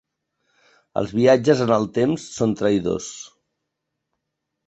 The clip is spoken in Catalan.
Els viatges en el temps són traïdors.